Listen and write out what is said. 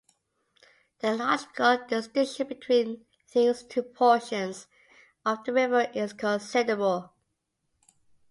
The geological distinction between these two portions of the river is considerable.